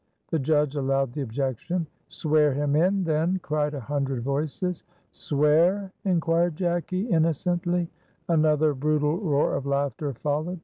The judge allowed the objection. "Swear him in, then," cried a hundred voices. "Swear?" inquired Jacky, innocently. Another brutal roar of laughter followed.